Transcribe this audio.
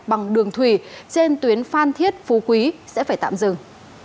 bằng đường thủy trên tuyến phan thiết phú quý sẽ phải tạm dừng